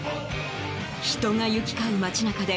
人が行き交う街中で